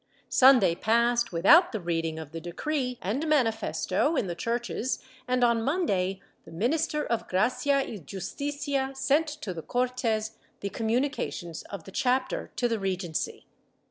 Sunday passed without the reading of the decree and manifesto in the churches and, on Monday, the minister of Gracia y Justicia sent to the Cortes the communications of the chapter to the Regency.